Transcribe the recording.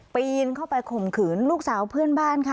ปีนเข้าไปข่มขืนลูกสาวเพื่อนบ้านค่ะ